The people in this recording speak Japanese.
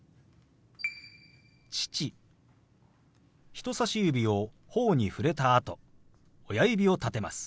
人さし指をほおに触れたあと親指を立てます。